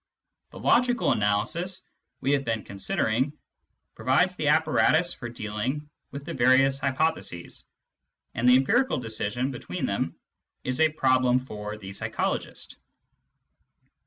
The logical analysis we have been considering provides the apparatus for dealing with the various hypotheses, and the empirical decision between them is a problem for the psychologist.